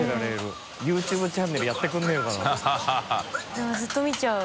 でもずっと見ちゃう。